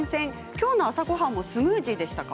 今朝の朝ごはんもスムージーでしたか？